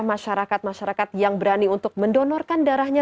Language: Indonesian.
masyarakat masyarakat yang berani untuk mendonorkan darahnya